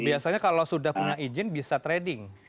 biasanya kalau sudah punya izin bisa trading